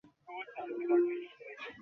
Lipstick, রুমাল।